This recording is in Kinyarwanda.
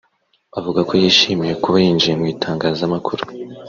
avuga ko yishimiye kuba yinjiye mu itangazamakuru